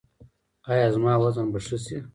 ایا زما وزن به ښه شي؟